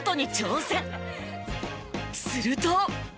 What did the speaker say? すると。